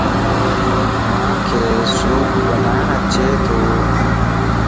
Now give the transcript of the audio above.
مانک سوپ بناڻَ اچي تو